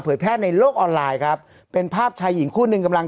แพร่ในโลกออนไลน์ครับเป็นภาพชายหญิงคู่หนึ่งกำลัง